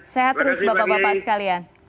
sehat terus bapak bapak sekalian